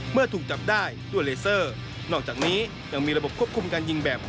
เมื่อถูกจับได้ด้วยเลเซอร์นอกจากนี้ยังมีระบบควบคุมการยิงแบบ